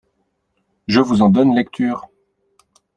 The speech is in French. Je vous en donne lecture.